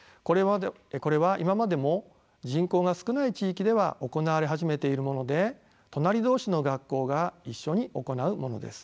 これは今までも人口が少ない地域では行われ始めているもので隣同士の学校が一緒に行うものです。